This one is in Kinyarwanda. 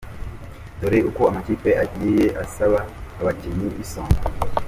Dore uko amakipe yagiye asaba abakinnyi b’Isonga:.